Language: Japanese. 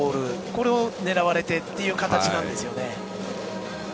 これを狙われてという形なんです。